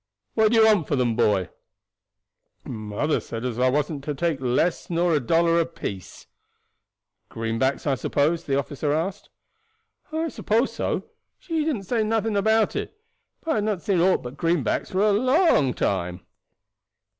"What do you want for them, boy?" "Mother said as I wasn't to take less nor a dollar apiece." "Greenbacks, I suppose?" the officer asked. "I suppose so. She didn't say nothing about it; but I has not seen aught but greenbacks for a long time since."